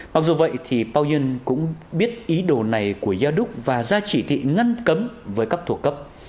mặc dù vậy thì pao duân cũng biết ý đồ này của gia đúc và ra chỉ thị ngăn cấm với các thủ cấp